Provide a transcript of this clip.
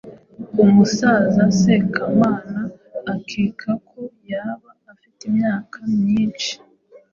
Umusaza Sekamana ukeka ko yaba afite imyaka myinshi